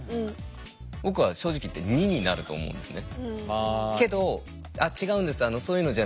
僕は正直言って２になると思うんですね。